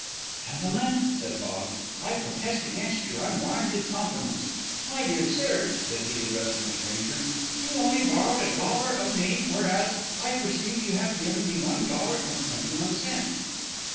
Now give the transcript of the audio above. "Gentlemen," said Boggs, "I protest against your unwarranted compliments. My dear sir," said he, addressing the stranger, "you only borrowed a dollar of me, whereas, I perceive you have given me one dollar and twenty one cents."